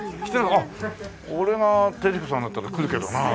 俺が輝彦さんだったら来るけどなあ。